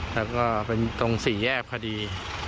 แล้วก็เป็นตรงสี่แยกพอดี